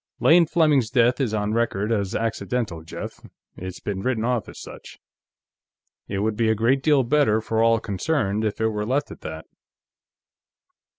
"Lane Fleming's death is on record as accidental, Jeff. It's been written off as such. It would be a great deal better for all concerned if it were left at that."